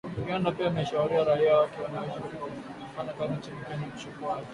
Uganda pia imewashauri raia wake wanaoishi na kufanya kazi nchini Kenya kuchukua tahadhari.